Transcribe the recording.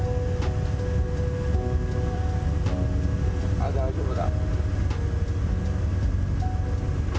あ、大丈夫だ。